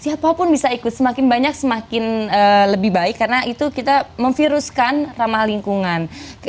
siapapun bisa ikut semakin banyak semakin lebih baik karena itu kita memviruskan ramah lingkungan